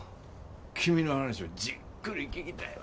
君の話をじっくり聞きたいわ。